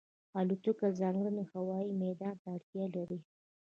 الوتکه ځانګړی هوايي میدان ته اړتیا لري.